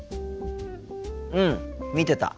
うん見てた。